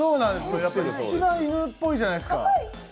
しば犬っぽいじゃないですか。